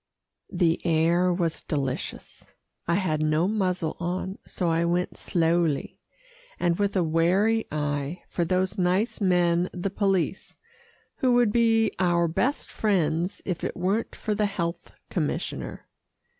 The air was delicious. I had no muzzle on, so I went slowly, and with a wary eye for those nice men the police, who would be our best friends if it weren't for the health commissioner.